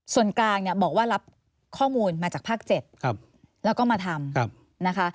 ส่วนกลางเนี่ยบอกว่ารับข้อมูลมาจากภาค๗แล้วก็มาทำนะคะ